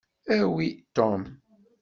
Awi Tom.